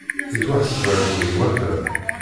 Yettwaḥseb akken iwata!